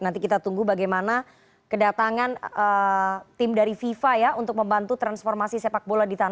nanti kita tunggu bagaimana kedatangan tim dari fifa ya untuk membantu transformasi sepak bola di tanah